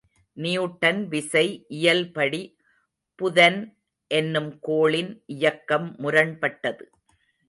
Newton விசை இயல்படி புதன் என்னும் கோளின் இயக்கம் முரண்பட்டது.